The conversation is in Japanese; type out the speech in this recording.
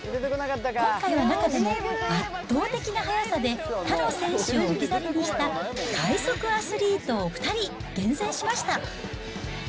今回は、中でも圧倒的な速さで他の選手を置き去りにした快速アスリートを２人厳選しました。